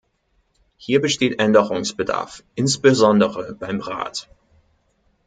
Hier besteht Änderungsbedarf, insbesondere beim Rat.